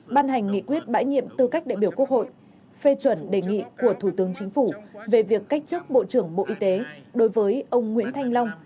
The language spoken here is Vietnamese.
ban hành nghị quyết bãi nhiệm tư cách đại biểu quốc hội phê chuẩn đề nghị của thủ tướng chính phủ về việc cách chức bộ trưởng bộ y tế đối với ông nguyễn thanh long